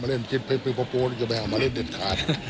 มาเล่นเพลงโปรโปรดอย่าไปเอามาเล่นเด็ดขาด